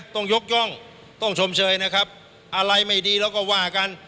ต้องยกย่องต้องชมเชยนะครับอะไรไม่ดีเราก็ว่ากัน